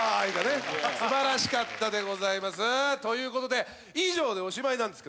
素晴らしかったです。ということで以上でおしまいなんですが。